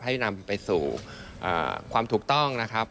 ให้นำไปสู่ความถูกต้องนะครับ